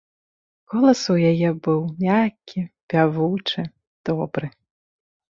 Голас у яе быў мяккі, пявучы, добры.